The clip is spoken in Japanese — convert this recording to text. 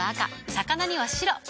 魚には白。